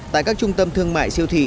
tại các trung tâm thương mại siêu thị